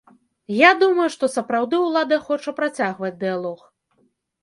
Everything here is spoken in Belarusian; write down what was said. Я думаю, што сапраўды ўлада хоча працягваць дыялог.